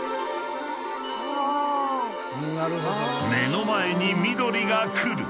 ［目の前に緑が来る］